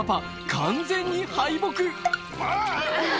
完全に敗北「うわ！」